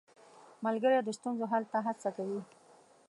ملګری د ستونزو حل ته هڅوي.